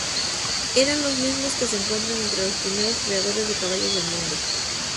Eran los mismos que se encuentran entre los primeros criadores de caballos del mundo.